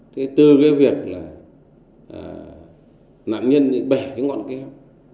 thế từ cái việc là nạn nhân bị bẻ cái ngọn keo